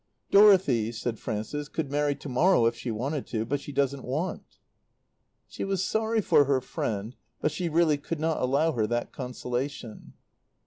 "Dorothy," said Frances, "could marry to morrow if she wanted to; but she doesn't want." She was sorry for her friend, but she really could not allow her that consolation.